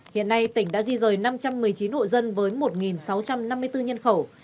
hiện nay tỉnh đã di rời năm trăm một mươi chín hộ dân với một sáu trăm năm mươi bốn nhân khẩu